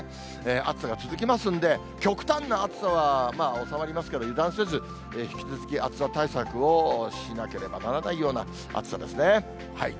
暑さが続きますので、極端な暑さは収まりますけど、油断せず、引き続き暑さ対策をしなければならないような暑さですね。